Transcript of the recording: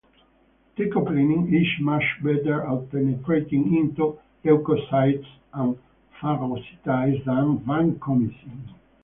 Teicoplanin is much better at penetrating into leucocytes and phagocytes than vancomycin.